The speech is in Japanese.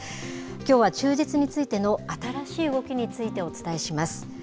きょうは、中絶についての新しい動きについてお伝えします。